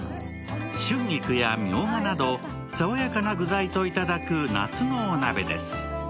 春菊やみょうがなど爽やかな具材と頂く夏のお鍋です。